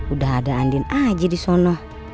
udah ada andin aja di sana